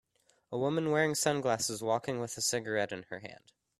A woman wearing sunglasses walking with a cigarette in her hand.